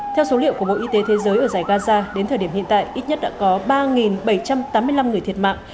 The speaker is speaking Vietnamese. theo số liệu của bộ y tế thế giới ở giải gaza đến thời điểm hiện tại ít nhất đã có ba bảy trăm tám mươi năm người thiệt mạng